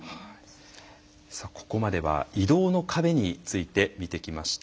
ここまでは移動の壁について見てきました。